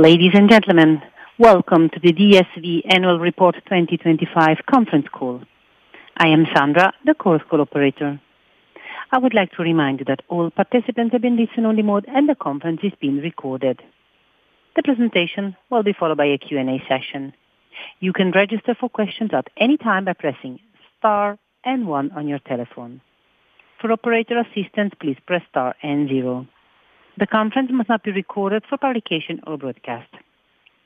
Ladies and gentlemen, welcome to the DSV Annual Report 2025 Conference Call. I am Sandra, the call's operator. I would like to remind you that all participants are in listen-only mode, and the conference is being recorded. The presentation will be followed by a Q&A session. You can register for questions at any time by pressing star and one on your telephone. For operator assistance, please press star and zero. The conference must not be recorded for publication or broadcast.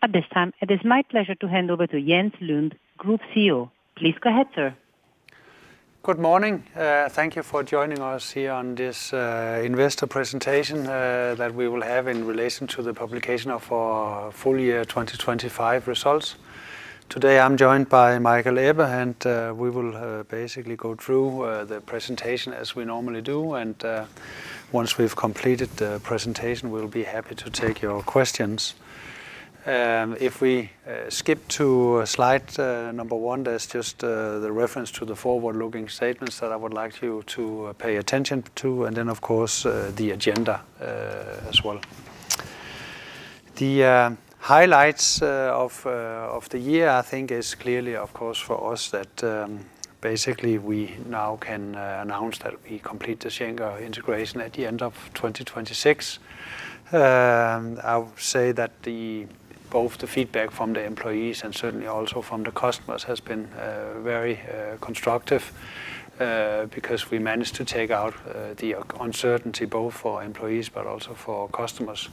At this time, it is my pleasure to hand over to Jens Lund, Group CEO. Please go ahead, sir. Good morning. Thank you for joining us here on this investor presentation that we will have in relation to the publication of our Full Year 2025 Results. Today, I'm joined by Michael Ebbe, and we will basically go through the presentation as we normally do, and once we've completed the presentation, we'll be happy to take your questions. If we skip to slide number 1, that's just the reference to the forward-looking statements that I would like you to pay attention to, and then, of course, the agenda as well. The highlights of the year, I think, is clearly, of course, for us, that basically, we now can announce that we complete the Schenker integration at the end of 2026. I would say that both the feedback from the employees and certainly also from the customers has been very constructive, because we managed to take out the uncertainty both for employees but also for customers.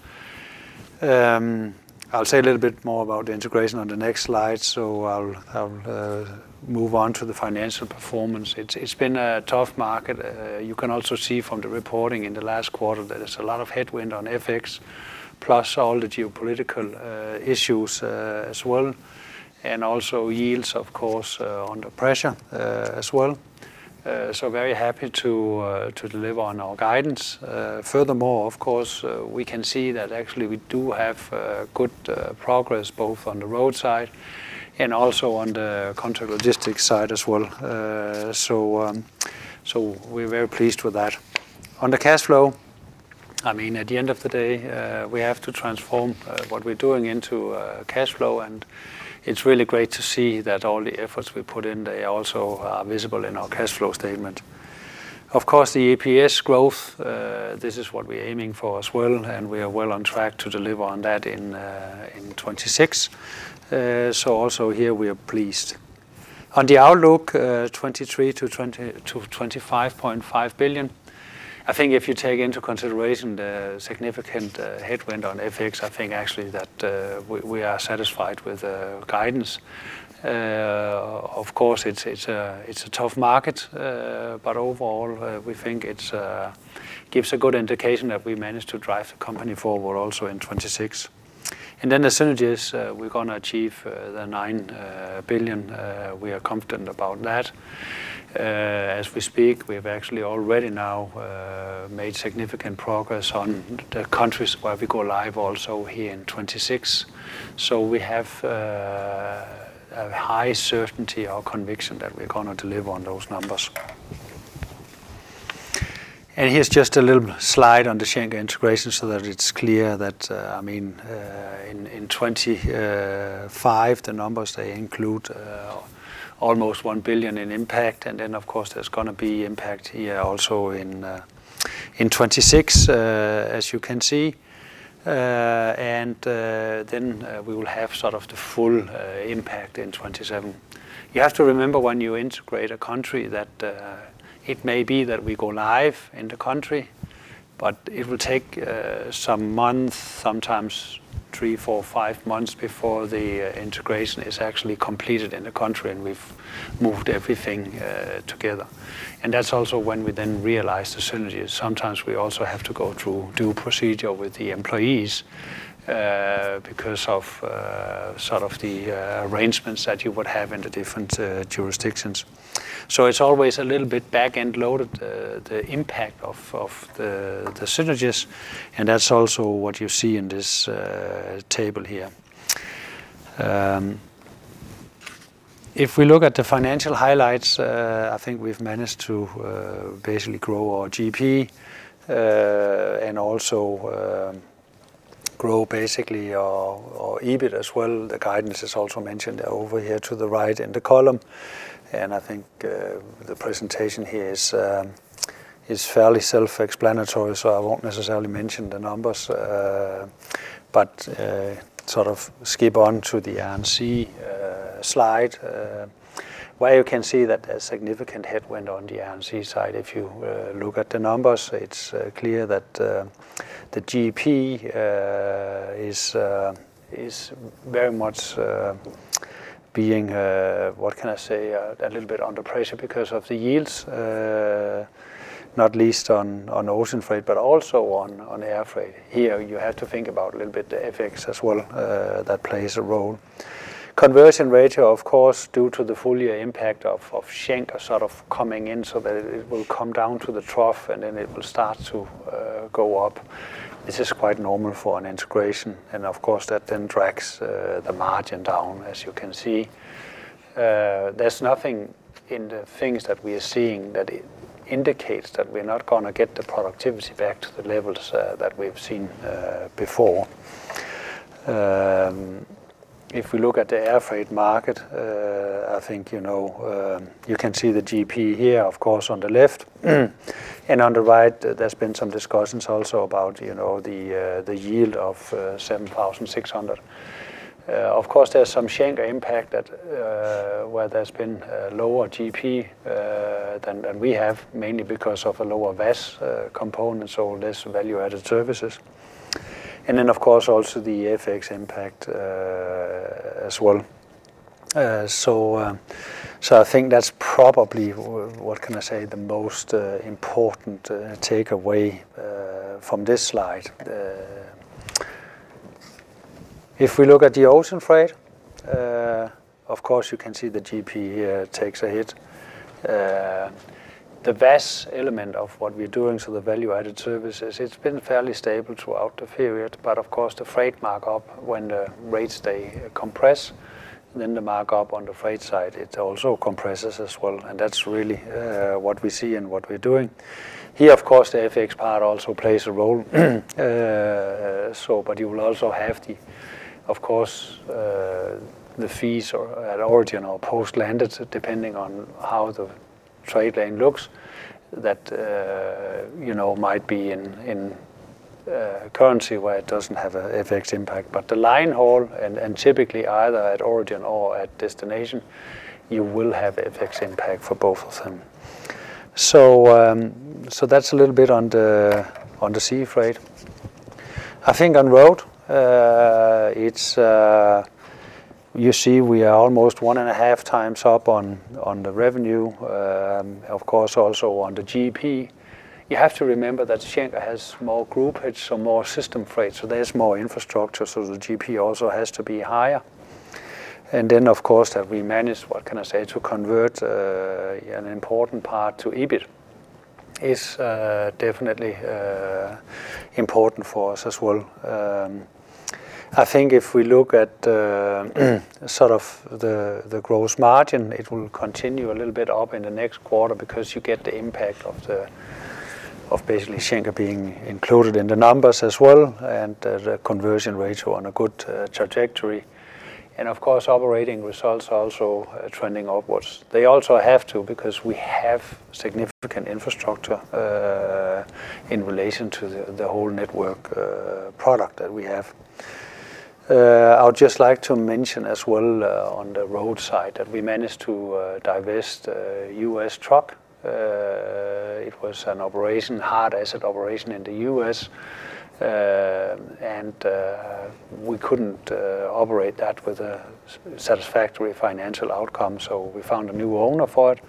I'll say a little bit more about the integration on the next slide, so I'll move on to the financial performance. It's been a tough market. You can also see from the reporting in the last quarter that there's a lot of headwind on FX, plus all the geopolitical issues as well, and also yields, of course, under pressure as well. So very happy to deliver on our guidance. Furthermore, of course, we can see that actually we do have good progress both on the roadside and also on the contract logistics side as well. So, so we're very pleased with that. On the cash flow, I mean, at the end of the day, we have to transform what we're doing into cash flow, and it's really great to see that all the efforts we put in, they also are visible in our cash flow statement. Of course, the EPS growth, this is what we're aiming for as well, and we are well on track to deliver on that in 2026. So also here, we are pleased. On the outlook, 23 billion-25.5 billion. I think if you take into consideration the significant headwind on FX, I think actually that we are satisfied with the guidance. Of course, it's a tough market, but overall, we think it gives a good indication that we managed to drive the company forward also in 2026. And then the synergies we're gonna achieve, the 9 billion. We are confident about that. As we speak, we've actually already now made significant progress on the countries where we go live also here in 2026. So we have a high certainty or conviction that we're gonna deliver on those numbers. And here's just a little slide on the Schenker integration so that it's clear that I mean, in 2025, the numbers they include almost 1 billion in impact. And then, of course, there's gonna be impact here also in 2026, as you can see. And then, we will have sort of the full impact in 2027. You have to remember when you integrate a country that it may be that we go live in the country, but it will take some months, sometimes three, four, five months before the integration is actually completed in the country, and we've moved everything together. And that's also when we then realize the synergies. Sometimes we also have to go through due procedure with the employees because of sort of the arrangements that you would have in the different jurisdictions. So it's always a little bit back end loaded, the impact of the synergies, and that's also what you see in this table here. If we look at the financial highlights, I think we've managed to basically grow our GP and also grow basically our EBIT as well. The guidance is also mentioned over here to the right in the column, and I think the presentation here is fairly self-explanatory, so I won't necessarily mention the numbers, but sort of skip on to the Air & Sea slide, where you can see that a significant headwind on the Air & Sea side. If you look at the numbers, it's clear that the GP is very much being what can I say? A little bit under pressure because of the yields, not least on ocean freight, but also on air freight. Here, you have to think about a little bit the FX as well, that plays a role. Conversion ratio, of course, due to the full year impact of Schenker sort of coming in so that it will come down to the trough, and then it will start to go up. This is quite normal for an integration, and of course, that then drags the margin down, as you can see. There's nothing in the things that we are seeing that indicates that we're not gonna get the productivity back to the levels that we've seen before. If we look at the airfreight market, I think, you know, you can see the GP here, of course, on the left. And on the right, there's been some discussions also about, you know, the yield of 7,600. Of course, there's some Schenker impact that where there's been a lower GP than we have, mainly because of a lower VAS component, so less value-added services. And then, of course, also the FX impact, as well. So I think that's probably, what can I say, the most important takeaway from this slide. If we look at the ocean freight, of course, you can see the GP here takes a hit. The VAS element of what we're doing, so the value-added services, it's been fairly stable throughout the period, but of course, the freight markup, when the rates, they compress, then the markup on the freight side, it also compresses as well, and that's really what we see and what we're doing. Here, of course, the FX part also plays a role. So but you will also have the, of course, the fees or at origin or post landed, depending on how the trade lane looks, that you know, might be in in currency where it doesn't have a FX impact. But the line haul, and typically either at origin or at destination, you will have FX impact for both of them. So so that's a little bit on the on the sea freight. I think on road, it's you see we are almost 1.5 times up on the revenue, of course, also on the GP. You have to remember that Schenker has more groupage, so more system freight, so there's more infrastructure, so the GP also has to be higher. And then, of course, that we manage, what can I say, to convert an important part to EBIT is definitely important for us as well. I think if we look at sort of the gross margin, it will continue a little bit up in the next quarter because you get the impact of basically Schenker being included in the numbers as well, and the conversion ratio on a good trajectory. And of course, operating results are also trending upwards. They also have to because we have significant infrastructure in relation to the whole network product that we have. I would just like to mention as well on the road side that we managed to divest USA Truck. It was an operation, hard asset operation in the US, and we couldn't operate that with a satisfactory financial outcome. So we found a new owner for it,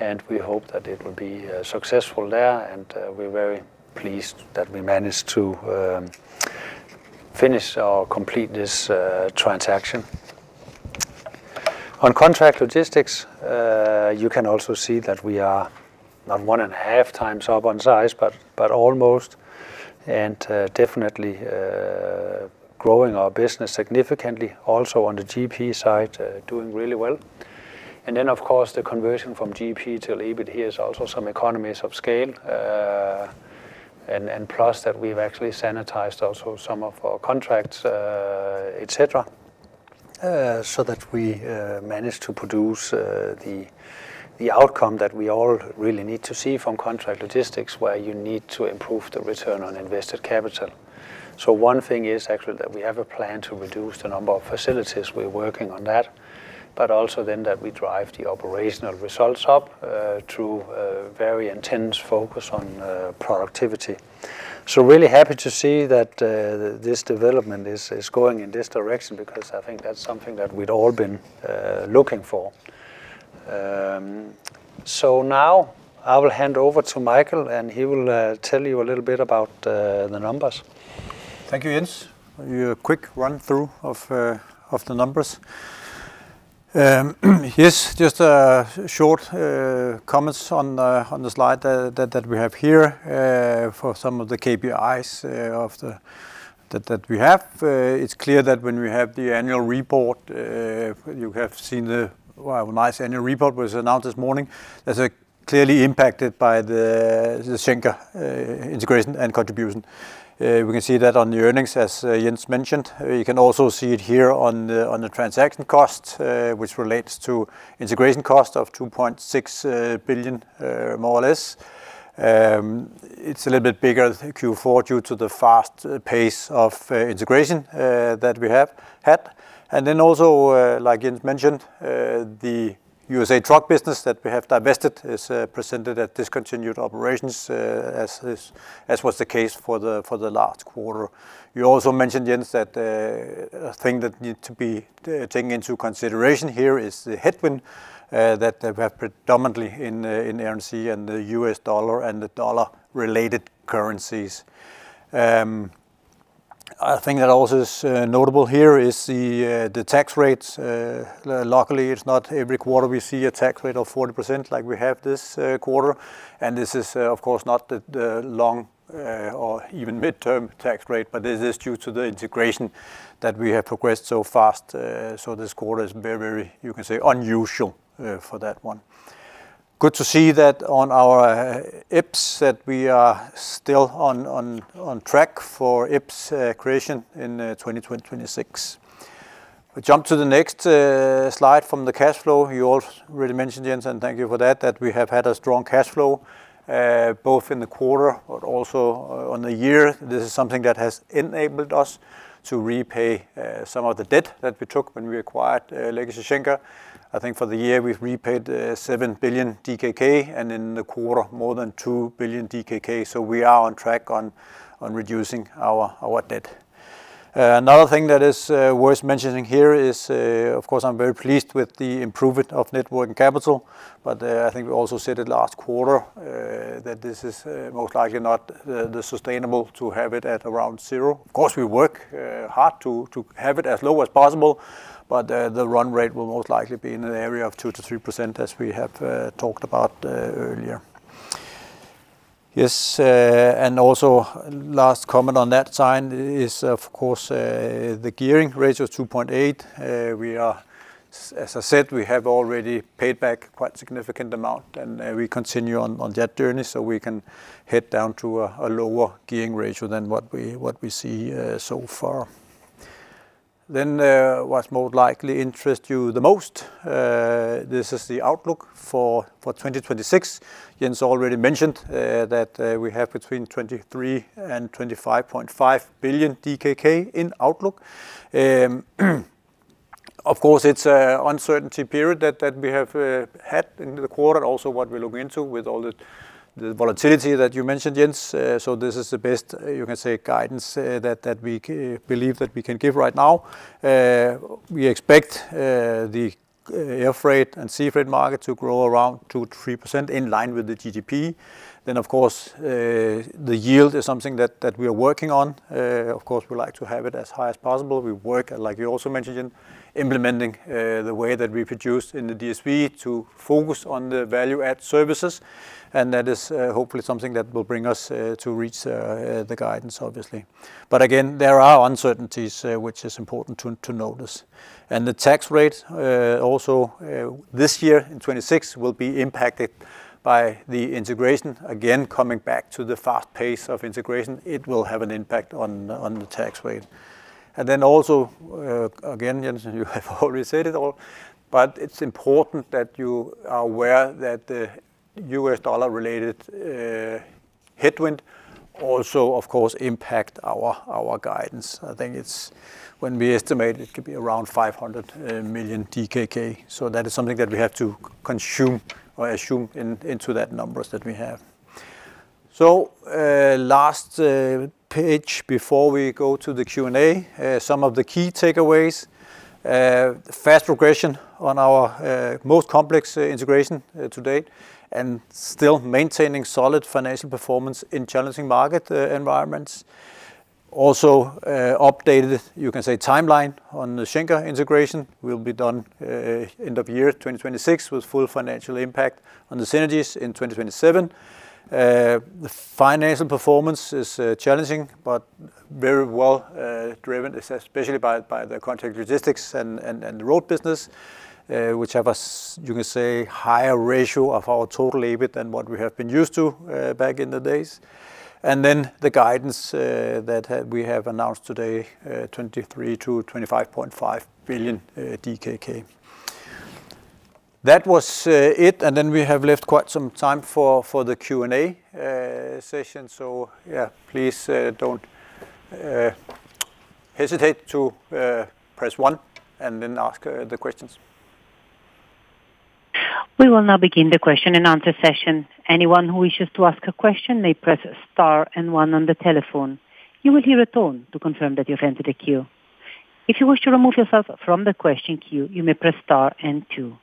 and we hope that it will be successful there, and we're very pleased that we managed to finish or complete this transaction. On contract logistics, you can also see that we are not 1.5 times up on size, but almost, and definitely growing our business significantly, also on the GP side, doing really well. And then, of course, the conversion from GP to EBIT, here's also some economies of scale, and plus that we've actually sanitized also some of our contracts, et cetera, so that we managed to produce the outcome that we all really need to see from contract logistics, where you need to improve the return on invested capital. So one thing is actually that we have a plan to reduce the number of facilities. We're working on that, but also then that we drive the operational results up through a very intense focus on productivity. So really happy to see that this development is going in this direction because I think that's something that we'd all been looking for. So now I will hand over to Michael, and he will tell you a little bit about the numbers. Thank you, Jens. I'll do a quick run-through of the numbers. Here's just a short comments on the slide that we have here for some of the KPIs that we have. It's clear that when we have the annual report, you have seen the, well, our nice annual report was announced this morning. There's clearly impacted by the Schenker integration and contribution. We can see that on the earnings, as Jens mentioned. You can also see it here on the transaction costs, which relates to integration cost of 2.6 billion, more or less. It's a little bit bigger than Q4 due to the fast pace of integration that we have had. And then also, like Jens mentioned, the USA truck business that we have divested is presented at discontinued operations, as was the case for the last quarter. You also mentioned, Jens, that a thing that need to be taken into consideration here is the headwind that we have predominantly in RMC and the US dollar and the dollar-related currencies. A thing that also is notable here is the tax rates. Luckily, it's not every quarter we see a tax rate of 40% like we have this quarter. And this is, of course, not the long or even midterm tax rate, but this is due to the integration that we have progressed so fast. So this quarter is very, very, you can say, unusual, for that one. Good to see that on our EPS, that we are still on track for EPS creation in 2026. We jump to the next slide from the cash flow. You all already mentioned, Jens, and thank you for that, that we have had a strong cash flow both in the quarter, but also on the year. This is something that has enabled us to repay some of the debt that we took when we acquired Legacy Schenker. I think for the year, we've repaid 7 billion DKK, and in the quarter, more than 2 billion DKK. So we are on track on reducing our debt. Another thing that is worth mentioning here is, of course, I'm very pleased with the improvement of net working capital, but I think we also said it last quarter that this is most likely not the sustainable to have it at around 0. Of course, we work hard to have it as low as possible, but the run rate will most likely be in an area of 2%-3%, as we have talked about earlier. Yes, and also last comment on that sign is, of course, the gearing ratio is 2.8. As I said, we have already paid back quite significant amount, and we continue on that journey, so we can head down to a lower gearing ratio than what we see so far. Then, what most likely interest you the most, this is the outlook for 2026. Jens already mentioned that we have between 23 billion and 25.5 billion DKK in outlook. Of course, it's a uncertainty period that we have had in the quarter, also what we're looking into with all the volatility that you mentioned, Jens. So this is the best, you can say, guidance that we believe that we can give right now. We expect the air freight and sea freight market to grow around 2%-3% in line with the GDP. Then, of course, the yield is something that we are working on. Of course, we like to have it as high as possible. We work, like you also mentioned, in implementing the way that we produce in the DSV to focus on the value-add services, and that is, hopefully something that will bring us to reach the guidance, obviously. But again, there are uncertainties, which is important to notice. The tax rate, also, this year, in 2026, will be impacted by the integration. Again, coming back to the fast pace of integration, it will have an impact on the tax rate. And then also, again, Jens, you have already said it all, but it's important that you are aware that the US dollar-related headwind also, of course, impact our guidance. I think it's when we estimate it could be around 500 million DKK. So that is something that we have to consume or assume into that numbers that we have. So, last page before we go to the Q&A, some of the key takeaways. Fast progression on our most complex integration to date, and still maintaining solid financial performance in challenging market environments. Also, updated, you can say, timeline on the Schenker integration will be done end of year 2026, with full financial impact on the synergies in 2027. The financial performance is challenging, but very well driven, especially by the contract logistics and the road business, which have a you can say, higher ratio of our total EBIT than what we have been used to back in the days. And then the guidance that have, we have announced today, 23 billion-25.5 billion DKK. That was it, and then we have left quite some time for the Q&A session. So yeah, please don't hesitate to press one and then ask the questions. We will now begin the Q&A session. Anyone who wishes to ask a question may press star and one on the telephone. You will hear a tone to confirm that you've entered a queue. If you wish to remove yourself from the question queue, you may press star and two.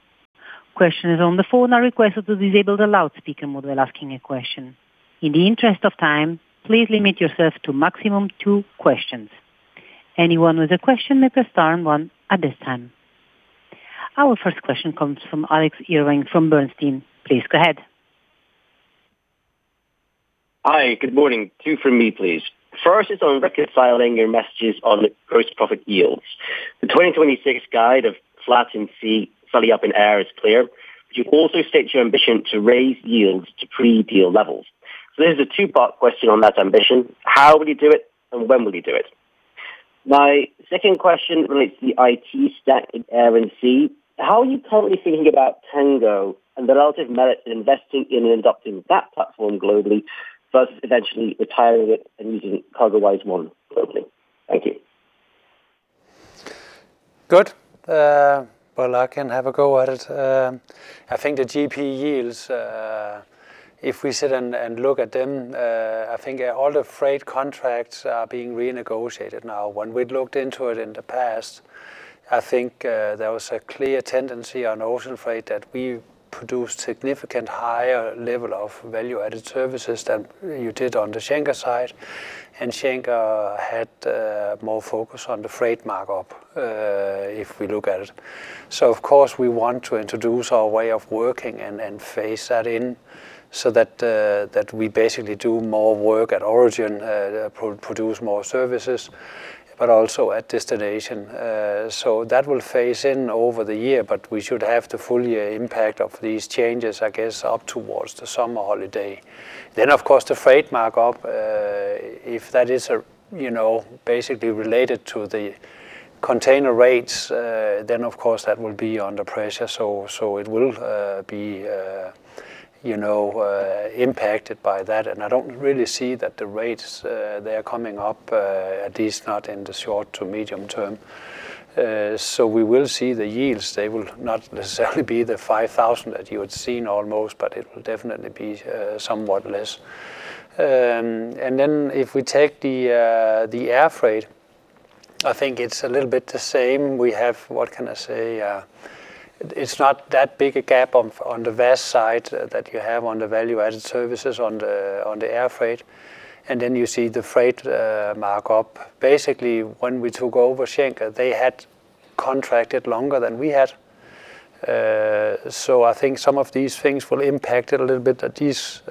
Questions on the phone are requested to disable the loudspeaker mode while asking a question. In the interest of time, please limit yourself to maximum two questions. Anyone with a question, may press star and one at this time. Our first question comes from Alex Irving, from Bernstein. Please go ahead. Hi, good morning. Two from me, please. First is on reconciling your messages on the gross profit yields. The 2026 guide of flat in Road and Sea, slightly up in Air is clear, but you also state your ambition to raise yields to pre-deal levels. So this is a two-part question on that ambition. How will you do it, and when will you do it? My second question relates to the IT stack in Air and Sea. How are you currently thinking about Tango and the relative merits in investing in and adopting that platform globally, versus eventually retiring it and using CargoWise One globally? Thank you. Good. Well, I can have a go at it. I think the GP yields, if we sit and, and look at them, I think all the freight contracts are being renegotiated now. When we'd looked into it in the past, I think, there was a clear tendency on ocean freight that we produced significant higher level of value-added services than you did on the Schenker side, and Schenker had, more focus on the freight markup, if we look at it. So of course, we want to introduce our way of working and, and phase that in, so that, that we basically do more work at origin, produce more services, but also at destination. So that will phase in over the year, but we should have the full year impact of these changes, I guess, up towards the summer holiday. Then, of course, the freight markup. if, if that is, you know, basically related to the container rates, then, of course, that will be under pressure. So, so it will, be, you know, impacted by that. And I don't really see that the rates, they are coming up, at least not in the short to medium term. So we will see the yields. They will not necessarily be the $5,000 that you had seen almost, but it will definitely be, somewhat less. And then if we take the, the air freight, I think it's a little bit the same. We have, what can I say? It's not that big a gap on, on the VAS side, that you have on the value-added services on the, on the air freight. And then you see the freight, markup. Basically, when we took over Schenker, they had contracted longer than we had. So I think some of these things will impact it a little bit, at least,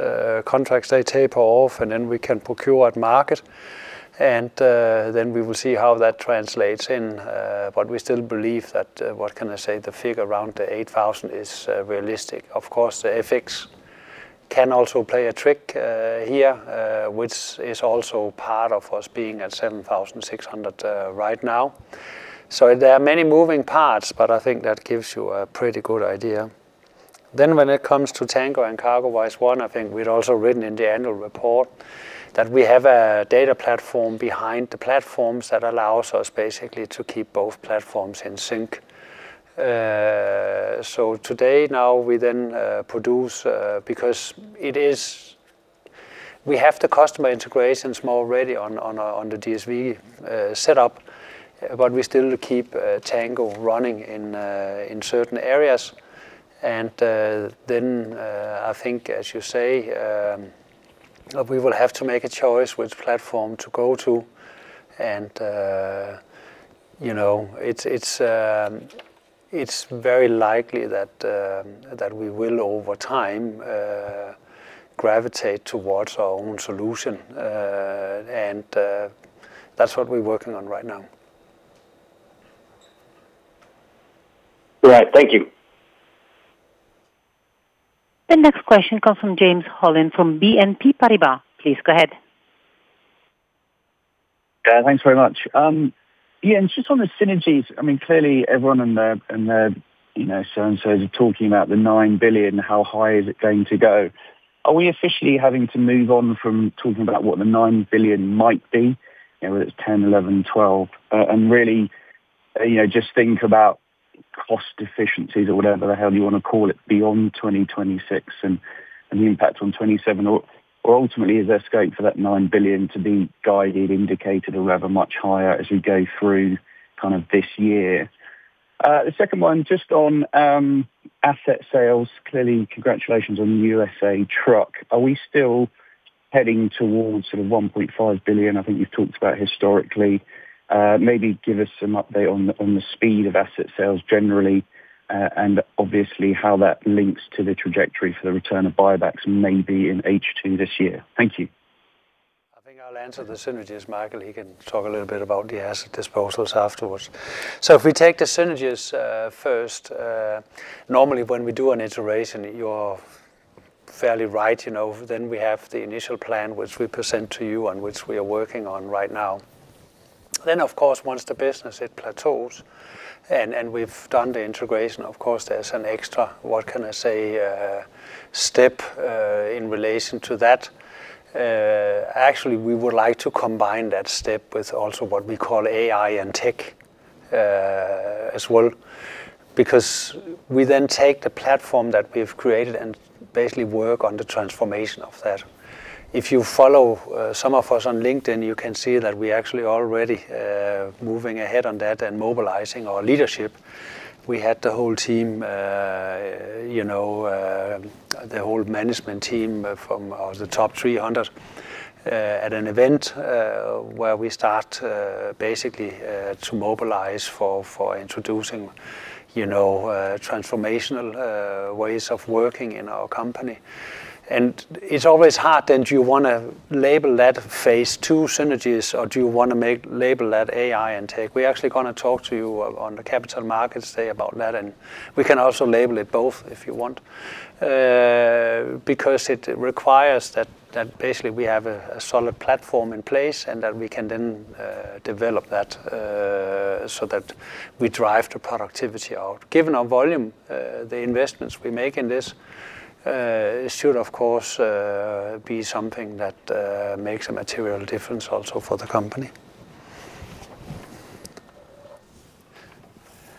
contracts, they taper off, and then we can procure at market. And, then we will see how that translates in, but we still believe that, what can I say? The figure around 8,000 is realistic. Of course, the FX can also play a trick, here, which is also part of us being at 7,600, right now. So there are many moving parts, but I think that gives you a pretty good idea. Then when it comes to Tango and CargoWise One, I think we'd also written in the annual report that we have a data platform behind the platforms that allows us basically to keep both platforms in sync. So today, now, we then produce. We have the customer integrations already on the DSV set up, but we still keep Tango running in certain areas. And then I think, as you say, we will have to make a choice which platform to go to. And you know, it's very likely that that we will, over time, gravitate towards our own solution, and that's what we're working on right now. Right. Thank you. The next question comes from James Hollins, from BNP Paribas. Please go ahead. Yeah, thanks very much. Yeah, and just on the synergies, I mean, clearly, everyone in the, in the, you know, so and so's are talking about the 9 billion, how high is it going to go? Are we officially having to move on from talking about what the 9 billion might be, you know, whether it's 10, 11, 12, and really, you know, just think about cost efficiencies or whatever the hell you wanna call it, beyond 2026, and, and the impact on 2027, or, or ultimately, is there scope for that 9 billion to be guided, indicated or whatever, much higher as we go through kind of this year? The second one, just on asset sales. Clearly, congratulations on the USA Truck. Are we still heading towards sort of 1.5 billion? I think you've talked about historically. Maybe give us some update on the speed of asset sales generally, and obviously, how that links to the trajectory for the return of buybacks, maybe in H2 this year. Thank you. I think I'll answer the synergies. Michael, he can talk a little bit about the asset disposals afterwards. So if we take the synergies, first, normally, when we do an integration, you're fairly right, you know. Then we have the initial plan, which we present to you, and which we are working on right now. Then, of course, once the business, it plateaus and we've done the integration, of course, there's an extra, what can I say, step, in relation to that. Actually, we would like to combine that step with also what we call AI and tech, as well, because we then take the platform that we've created and basically work on the transformation of that. If you follow, some of us on LinkedIn, you can see that we're actually already moving ahead on that and mobilizing our leadership. We had the whole team, you know, the whole management team from the top 300 at an event, where we start basically to mobilize for for introducing, you know, transformational ways of working in our company. And it's always hard, and do you wanna label that phase two synergies, or do you wanna label that AI and tech? We're actually gonna talk to you on the capital markets day about that, and we can also label it both, if you want. Because it requires that that basically we have a a solid platform in place, and that we can then develop that so that we drive the productivity out. Given our volume, the investments we make in this should of course be something that makes a material difference also for the company.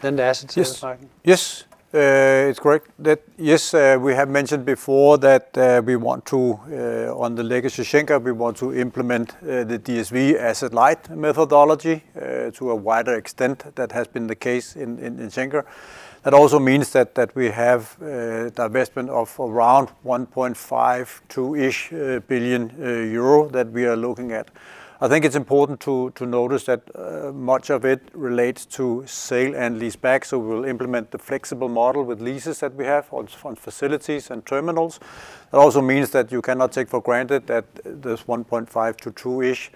The assets, yes, Michael? Yes, it's correct. That yes, we have mentioned before that we want to, on the legacy Schenker, we want to implement the DSV asset light methodology to a wider extent that has been the case in Schenker. That also means that we have divestment of around 1.5-2-ish billion euro that we are looking at. I think it's important to notice that much of it relates to sale and leaseback, so we'll implement the flexible model with leases that we have on facilities and terminals. It also means that you cannot take for granted that this 1.5-2-ish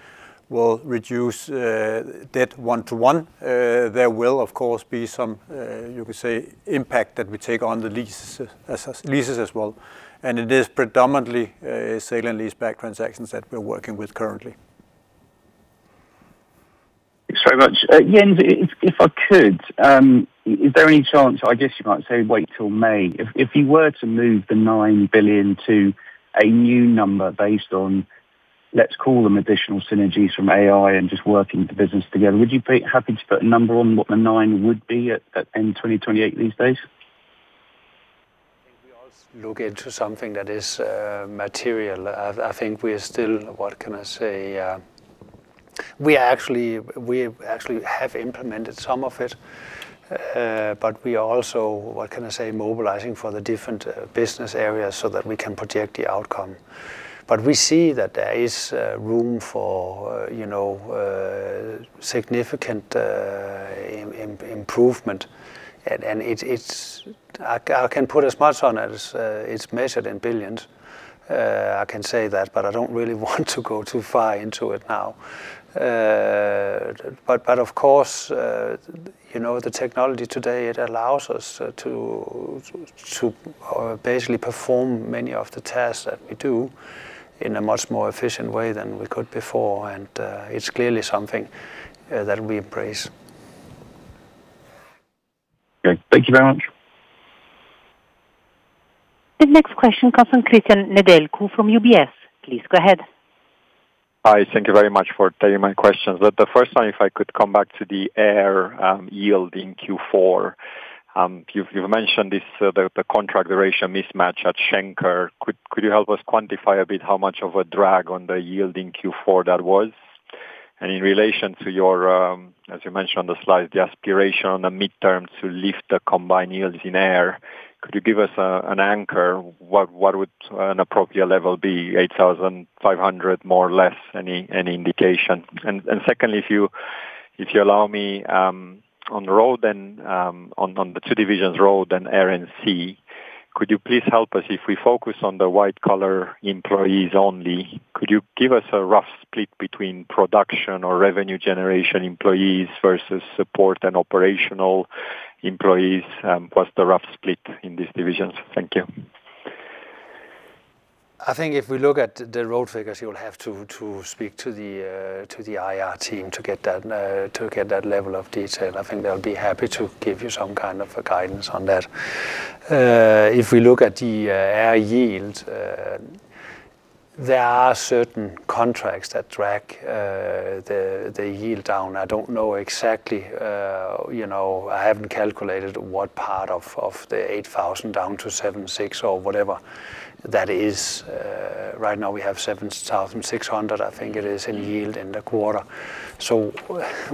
will reduce debt one-to-one. There will, of course, be some, you could say, impact that we take on the lease, as leases as well. And it is predominantly sale and leaseback transactions that we're working with currently. Thanks very much. Jens, if I could, is there any chance, I guess, you might say, wait till May. If you were to move the 9 billion to a new number based on, let's call them additional synergies from AI and just working the business together, would you be happy to put a number on what the nine would be at end 2028 these days? I think we also look into something that is material. I, I think we are still. What can I say? We actually, we actually have implemented some of it, but we are also, what can I say, mobilizing for the different business areas so that we can project the outcome. But we see that there is room for, you know, significant improvement, and it's I, I can put as much on it as it's measured in billions. I can say that, but I don't really want to go too far into it now. But of course, you know, the technology today, it allows us to basically perform many of the tasks that we do in a much more efficient way than we could before, and it's clearly something that we embrace. Okay. Thank you very much. The next question comes from Cristian Nedelcu from UBS. Please, go ahead. Hi, thank you very much for taking my questions. But the first one, if I could come back to the Air yield in Q4. You've mentioned this, the contract duration mismatch at Schenker. Could you help us quantify a bit how much of a drag on the yield in Q4 that was? And in relation to your, as you mentioned on the slide, the aspiration on the midterm to lift the combined yields in Air, could you give us an anchor What would an appropriate level be? 8,500, more or less, any indication? And secondly, if you allow me, on the road then, on the two divisions, Road and Air and Sea, could you please help us If we focus on the white-collar employees only, could you give us a rough split between production or revenue generation employees versus support and operational employees? What's the rough split in these divisions? Thank you. I think if we look at the road figures, you'll have to speak to the IR team to get that level of detail. I think they'll be happy to give you some kind of a guidance on that. If we look at the air yield, there are certain contracts that drag the yield down. I don't know exactly, you know, I haven't calculated what part of the 8,000 down to 7,600 or whatever that is. Right now, we have 7,600, I think it is, in yield in the quarter. So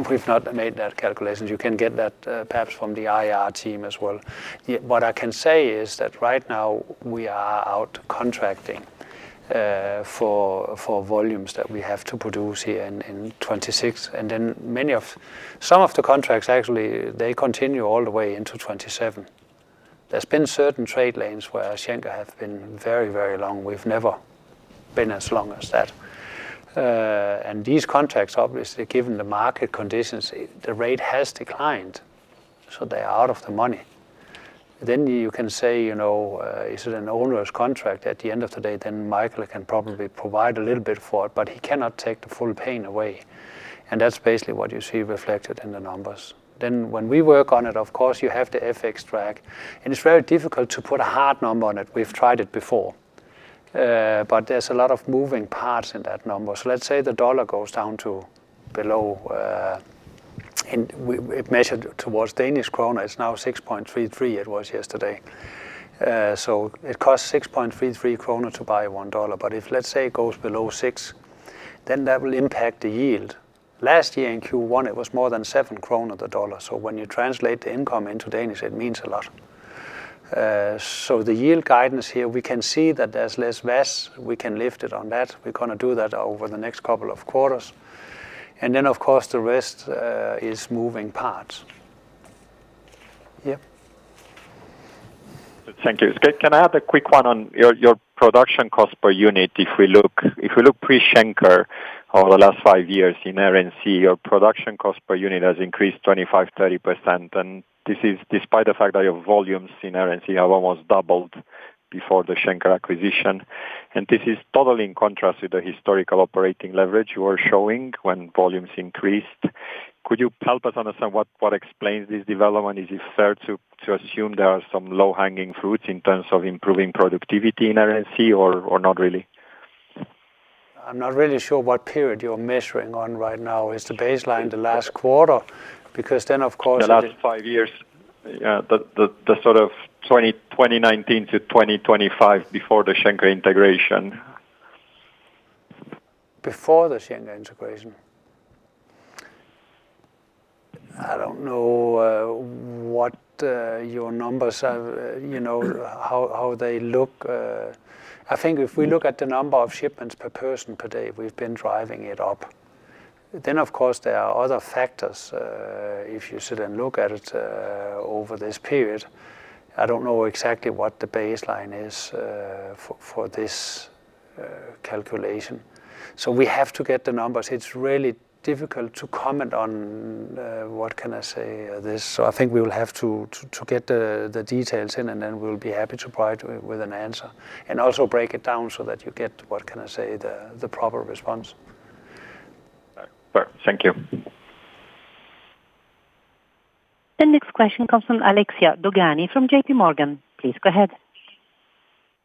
we've not made that calculation. You can get that, perhaps from the IR team as well. Yet, what I can say is that right now we are out contracting for volumes that we have to produce here in 2026, and then some of the contracts, actually, they continue all the way into 2027. There's been certain trade lanes where Schenker have been very, very long. We've never been as long as that. And these contracts, obviously, given the market conditions, the rate has declined, so they are out of the money. Then you can say, you know, is it an onerous contract? At the end of the day, then Michael can probably provide a little bit for it, but he cannot take the full pain away, and that's basically what you see reflected in the numbers. Then when we work on it, of course, you have the FX track, and it's very difficult to put a hard number on it. We've tried it before. But there's a lot of moving parts in that number. So let's say the dollar goes down to below, and it measured towards Danish kroner. It's now 6.33, it was yesterday. So it costs 6.33 kroner to buy one dollar, but if, let's say, it goes below 6, then that will impact the yield. Last year in Q1, it was more than 7 kroner, the dollar. So when you translate the income into Danish, it means a lot. So the yield guidance here, we can see that there's less VAS. We can lift it on that. We're gonna do that over the next couple of quarters. And then, of course, the rest is moving parts. Yeah. Thank you. Can I have a quick one on your production cost per unit? If we look pre-Schenker over the last 5 years in Air & Sea, your production cost per unit has increased 25%-30%, and this is despite the fact that your volumes in Air & Sea have almost doubled before the Schenker acquisition. And this is totally in contrast with the historical operating leverage you are showing when volumes increased. Could you help us understand what explains this development? Is it fair to assume there are some low-hanging fruits in terms of improving productivity in Air & Sea or not really? I'm not really sure what period you're measuring on right now. Is the baseline the last quarter? Because then, of course The last five years, sort of 2019 to 2025 before the Schenker integration. Before the Schenker integration? I don't know what your numbers are, you know, how they look. I think if we look at the number of shipments per person per day, we've been driving it up. Then, of course, there are other factors. If you sit and look at it over this period, I don't know exactly what the baseline is for this calculation. So we have to get the numbers. It's really difficult to comment on, what can I say, this. So I think we will have to get the details in, and then we'll be happy to provide you with an answer, and also break it down so that you get, what can I say, the proper response. All right. Well, thank you. The next question comes from Alexia Dogani from J.P. Morgan. Please go ahead.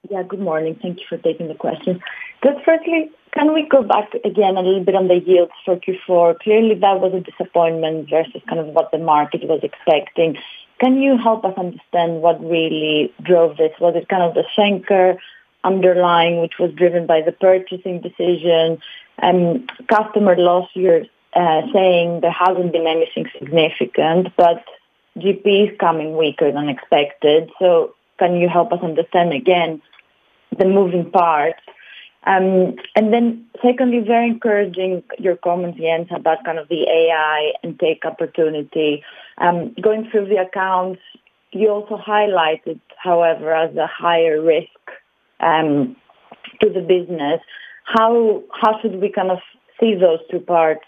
Yeah, good morning. Thank you for taking the question. Just firstly, can we go back again a little bit on the yield for Q4? Clearly, that was a disappointment versus kind of what the market was expecting. Can you help us understand what really drove this? Was it kind of the Schenker underlying, which was driven by the purchasing decision and customer last year, saying there hasn't been anything significant, but GP is coming weaker than expected. So can you help us understand again, the moving parts? And then secondly, very encouraging your comments, Jens, about kind of the AI and take opportunity. Going through the accounts, you also highlighted, however, as a higher risk to the business. How should we kind of see those two parts,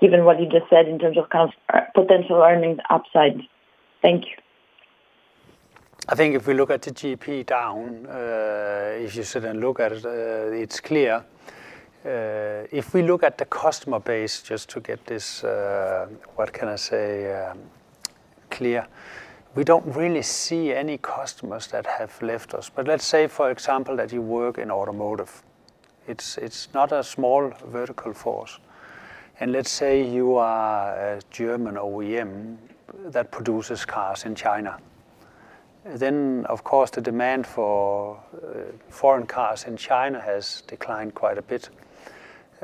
given what you just said in terms of cost, potential earnings upside? Thank you. I think if we look at the GP down, if you sit and look at it, it's clear. If we look at the customer base, just to get this, what can I say, clear, we don't really see any customers that have left us. But let's say, for example, that you work in automotive. It's not a small vertical force, and let's say you are a German OEM that produces cars in China. Then, of course, the demand for foreign cars in China has declined quite a bit,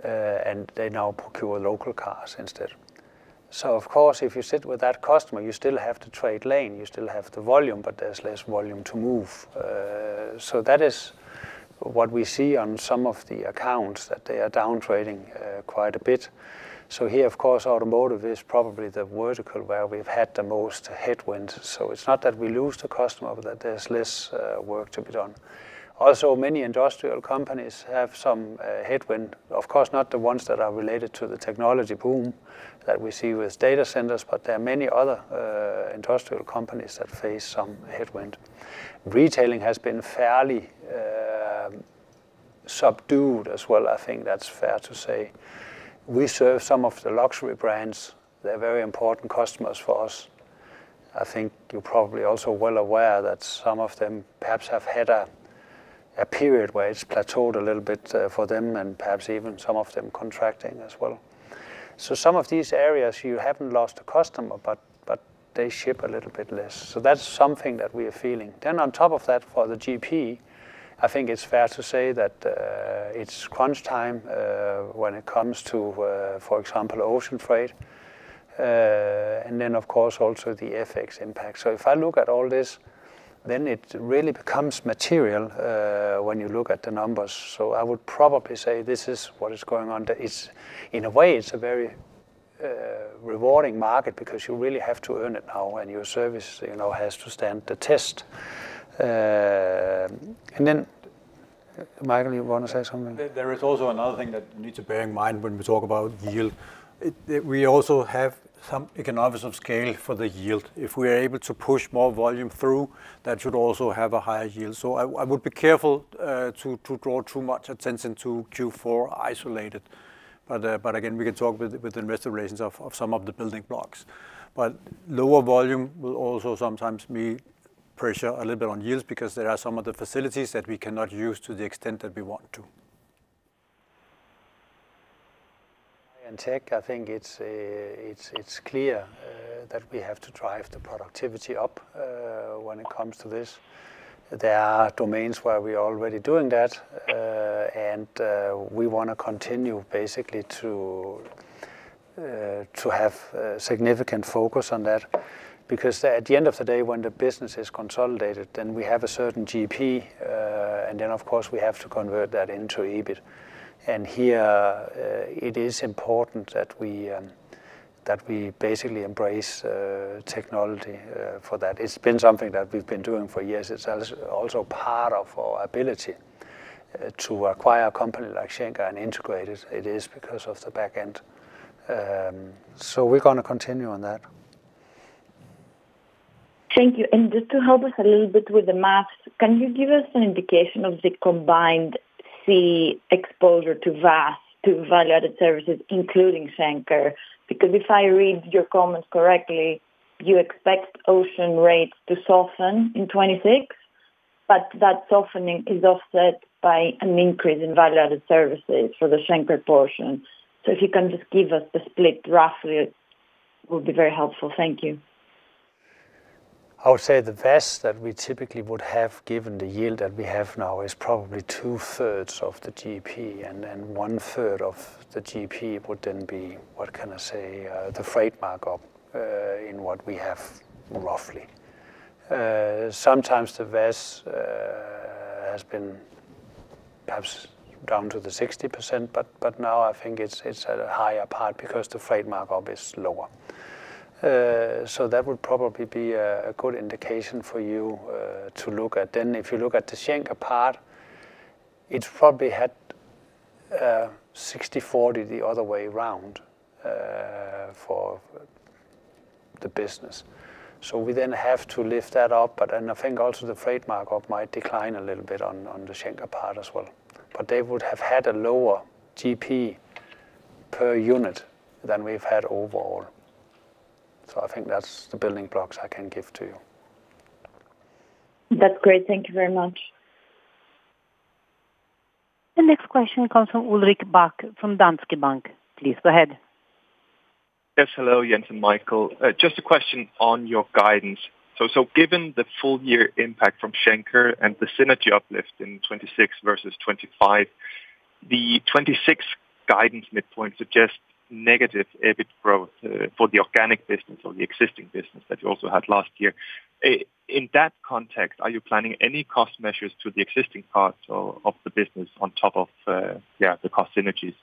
and they now procure local cars instead. So of course, if you sit with that customer, you still have to trade lane, you still have the volume, but there's less volume to move. So that is what we see on some of the accounts, that they are down trading, quite a bit. So here, of course, automotive is probably the vertical where we've had the most headwinds. So it's not that we lose the customer, but there's less work to be done. Also, many industrial companies have some headwind. Of course, not the ones that are related to the technology boom that we see with data centers, but there are many other industrial companies that face some headwind. Retailing has been fairly subdued as well. I think that's fair to say. We serve some of the luxury brands. They're very important customers for us. I think you're probably also well aware that some of them perhaps have had a period where it's plateaued a little bit for them, and perhaps even some of them contracting as well. So some of these areas, you haven't lost a customer, but they ship a little bit less. So that's something that we are feeling. Then on top of that, for the GP, I think it's fair to say that it's crunch time when it comes to, for example, ocean freight, and then, of course, also the FX impact. So if I look at all this, then it really becomes material when you look at the numbers. So I would probably say this is what is going on. In a way, it's a very rewarding market because you really have to earn it now, and your service, you know, has to stand the test. And then, Michael, you want to say something? There is also another thing that you need to bear in mind when we talk about yield. It we also have some economics of scale for the yield. If we are able to push more volume through, that should also have a higher yield. So I would be careful to draw too much attention to Q4 isolated. But again, we can talk with investor relations of some of the building blocks. But lower volume will also sometimes mean pressure a little bit on yields, because there are some of the facilities that we cannot use to the extent that we want to. In tech, I think it's clear that we have to drive the productivity up when it comes to this. There are domains where we are already doing that, and we wanna continue basically to have significant focus on that. Because at the end of the day, when the business is consolidated, then we have a certain GP, and then, of course, we have to convert that into EBIT. And here, it is important that we basically embrace technology for that. It's been something that we've been doing for years. It's also part of our ability to acquire a company like Schenker and integrate it. It is because of the back end. So we're gonna continue on that. Thank you. Just to help us a little bit with the math, can you give us an indication of the combined Sea exposure to VAS, to value-added services, including Schenker? Because if I read your comments correctly, you expect ocean rates to soften in 2026, but that softening is offset by an increase in value-added services for the Schenker portion. If you can just give us the split roughly, it will be very helpful. Thank you. I would say the best that we typically would have, given the yield that we have now, is probably 2/3 of the GP, and then 1/3 of the GP would then be, what can I say, the freight markup in what we have, roughly. Sometimes the VAS has been perhaps down to the 60%, but now I think it's at a higher part because the freight markup is lower. So that would probably be a good indication for you to look at. Then if you look at the Schenker part, it probably had 60/40 the other way around for the business. So we then have to lift that up, but, and I think also the freight markup might decline a little bit on the Schenker part as well. But they would have had a lower GP per unit than we've had overall. So I think that's the building blocks I can give to you. That's great. Thank you very much. The next question comes from Ulrik Bak from Danske Bank. Please go ahead. Yes, hello, Jens and Michael. Just a question on your guidance. So, given the full year impact from Schenker and the synergy uplift in 2026 versus 2025, the 2026 guidance midpoint suggests negative EBIT growth for the organic business or the existing business that you also had last year. In that context, are you planning any cost measures to the existing part or of the business on top of, yeah, the cost synergies?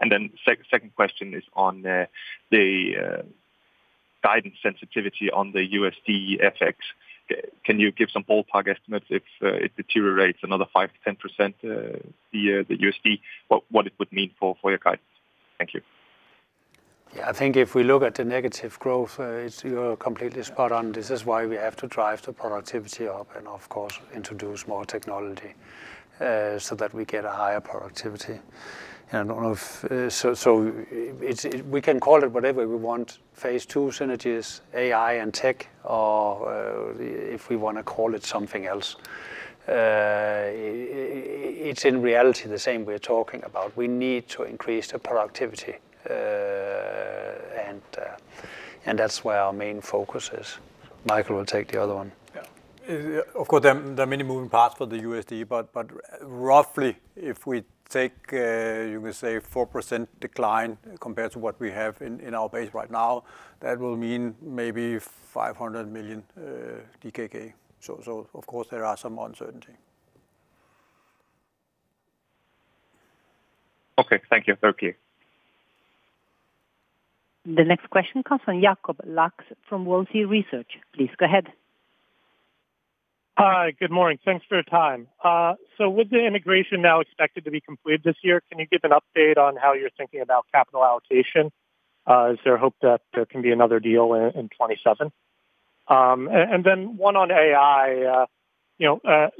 And then second question is on the guidance sensitivity on the USD FX. Can you give some ballpark estimates if it deteriorates another 5%-10%, the USD, what it would mean for your guidance? Thank you. Yeah, I think if we look at the negative growth, it's. You're completely spot on. This is why we have to drive the productivity up, and of course, introduce more technology, so that we get a higher productivity. I don't know if. So, it's we can call it whatever we want, phase two synergies, AI and tech, or, if we wanna call it something else. It's in reality the same we're talking about. We need to increase the productivity, and that's where our main focus is. Michael will take the other one. Yeah. Of course, there are, there are many moving parts for the USD, but, but roughly, if we take, you can say 4% decline compared to what we have in, in our base right now, that will mean maybe 500 million DKK. So, so of course, there are some uncertainty. Okay, thank you. Very clear. The next question comes from Jacob Pedersen from Wolfe Research. Please go ahead. Hi, good morning. Thanks for your time. So with the integration now expected to be completed this year, can you give an update on how you're thinking about capital allocation? Is there hope that there can be another deal in 2027? And then one on AI, you know,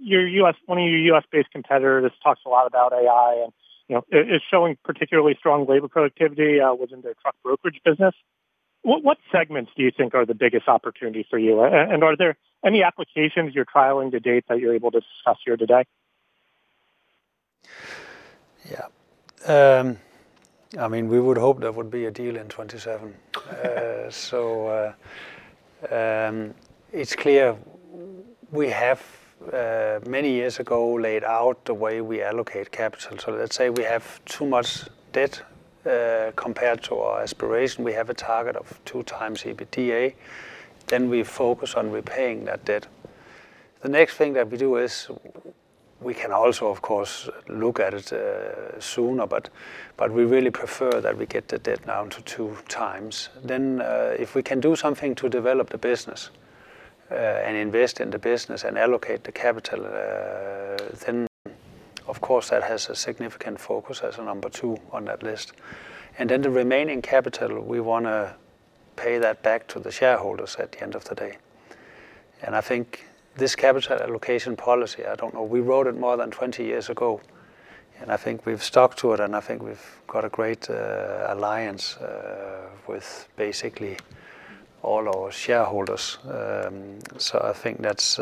your U.S., one of your U.S.-based competitors talks a lot about AI, and, you know, is showing particularly strong labor productivity within their truck brokerage business. What segments do you think are the biggest opportunity for you? And are there any applications you're trialing to date that you're able to discuss here today? Yeah. I mean, we would hope there would be a deal in 2027. So it's clear we have many years ago laid out the way we allocate capital. So let's say we have too much debt compared to our aspiration. We have a target of two times EBITDA, then we focus on repaying that debt. The next thing that we do is we can also, of course, look at it sooner, but we really prefer that we get the debt down to two times. Then if we can do something to develop the business and invest in the business and allocate the capital, then, of course, that has a significant focus as a number two on that list. And then the remaining capital, we wanna pay that back to the shareholders at the end of the day. I think this capital allocation policy, I don't know, we wrote it more than 20 years ago, and I think we've stuck to it, and I think we've got a great alliance with basically all our shareholders. So I think that's.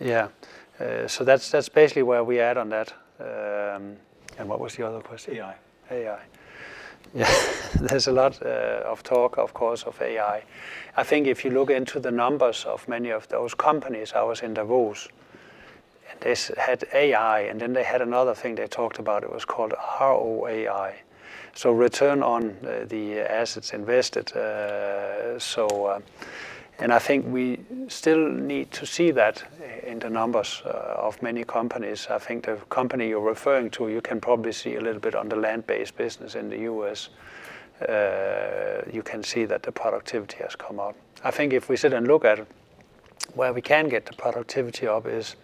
Yeah. So that's, that's basically where we are at on that. And what was the other question? AI. AI. There's a lot of talk, of course, of AI. I think if you look into the numbers of many of those companies, I was in Davos, and they had AI, and then they had another thing they talked about. It was called ROAI, so return on the assets invested. So, and I think we still need to see that in the numbers of many companies. I think the company you're referring to, you can probably see a little bit on the land-based business in the US. You can see that the productivity has come out. I think if we sit and look at where we can get the productivity up is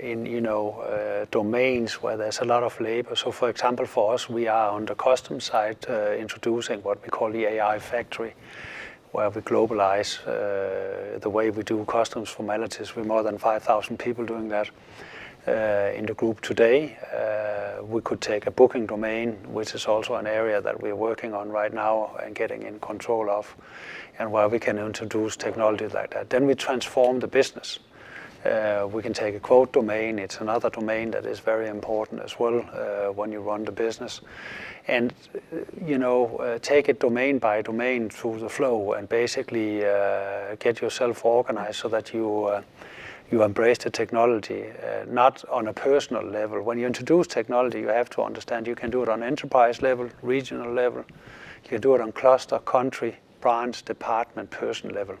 in, you know, domains where there's a lot of labor. So, for example, for us, we are on the customs side, introducing what we call the AI Factory, where we globalize the way we do customs formalities. We're more than 5,000 people doing that in the group today. We could take a booking domain, which is also an area that we're working on right now and getting in control of, and where we can introduce technology like that. Then we transform the business. We can take a quote domain. It's another domain that is very important as well when you run the business. And, you know, take it domain by domain through the flow, and basically get yourself organized so that you you embrace the technology not on a personal level. When you introduce technology, you have to understand, you can do it on enterprise level, regional level, you can do it on cluster, country, branch, department, person level.